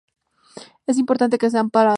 Es importante que sean planos.